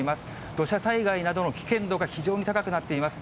土砂災害などの危険度が非常に高くなっています。